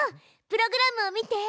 プログラムを見て！